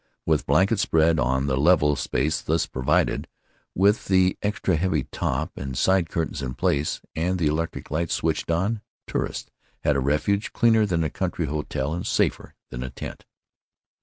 With blankets spread on the level space thus provided, with the extra heavy top and side curtains in place, and the electric light switched on, tourists had a refuge cleaner than a country hotel and safer than a tent....